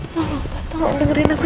tolong pak tolong dengerin aku